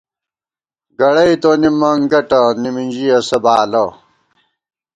گَڑئی تونی منگٹہ ، نِمِنژی اسہ بالہ